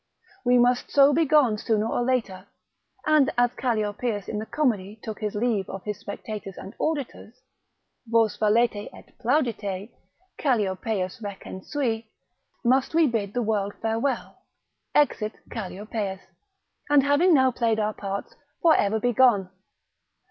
We must so be gone sooner or later all, and as Calliopeius in the comedy took his leave of his spectators and auditors, Vos valete et plaudite, Calliopeius recensui, must we bid the world farewell (Exit Calliopeius), and having now played our parts, for ever be gone.